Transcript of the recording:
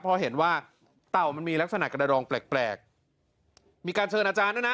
เพราะเห็นว่าเต่ามันมีลักษณะกระดองแปลกมีการเชิญอาจารย์ด้วยนะ